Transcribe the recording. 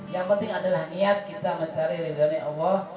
yang penting adalah niat kita mencari lizernya allah